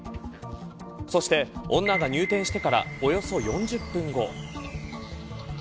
そして、女が入店してからおよそ４０分後。